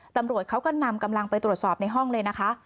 ตำรวจเขาก็นำกำลังไปตรวจสอบในห้องเลยนะคะ